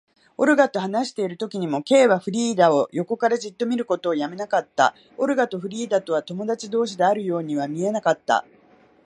オルガと話しているときにも、Ｋ はフリーダを横からじっと見ることをやめなかった。オルガとフリーダとは友だち同士であるようには見えなかった。